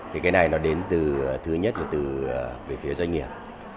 thì cái này nó đến từ thứ nhất là từ về phía doanh nghiệp